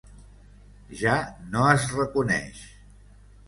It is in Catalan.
Ja no es reconeix.